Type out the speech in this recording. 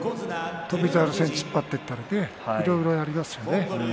翔猿戦突っ張っていったりいろいろやりますよね。